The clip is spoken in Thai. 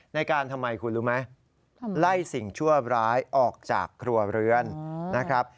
ทำไมคุณรู้ไหมไล่สิ่งชั่วร้ายออกจากครัวเรือนนะครับ